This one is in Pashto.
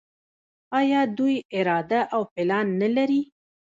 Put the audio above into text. آیا دوی اراده او پلان نلري؟